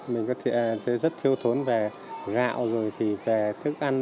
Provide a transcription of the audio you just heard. mình có thể rất thiếu thốn về gạo về thức ăn